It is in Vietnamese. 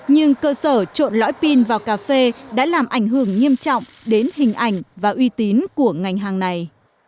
nhưng cơ sở trộn lõi pin vào cà phê đã làm ảnh hưởng nghiêm trọng đến hình ảnh và uy tín của ngành hàng này